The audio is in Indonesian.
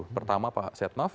pertama pak setnaf